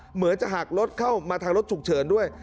เหมือนจะหักรถเข้ามาทางรถฉุกเฉินด้วย